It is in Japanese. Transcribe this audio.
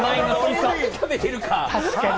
どんだけ食べてるか！